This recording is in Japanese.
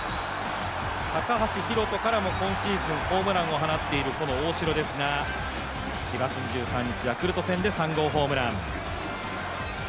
高橋宏斗からも今シーズンホームランを放っている大城ですが、４月２３日、ヤクルト戦で３号ホームラン。